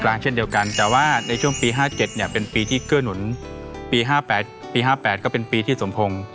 เช่นเดียวกันแต่ว่าในช่วงปี๕๗เนี่ยเป็นปีที่เกื้อหนุนปี๕๘ปี๕๘ก็เป็นปีที่สมพงศ์